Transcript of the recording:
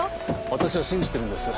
私は信じてるんです。